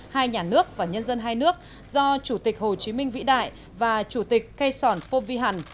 hai nhà nước và nhân dân hai nước do chủ tịch hồ chí minh vĩ đại và chủ tịch cây sòn phô vi hẳn